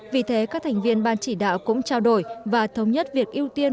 vì thế các thành viên ban chỉ đạo cũng trao đổi và thống nhất việc ưu tiên